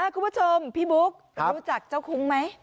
คุณผู้ชมพี่บุ๊ครู้จักเจ้าคุ้งไหม